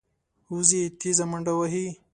وزې تېزه منډه وهي